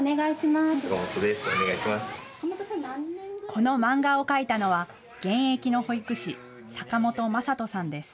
この漫画を描いたのは現役の保育士、坂本将取さんです。